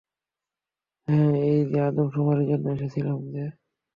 হ্যাঁঁ, ঐযে আদমশুমারির জন্য এসেছিলাম যে।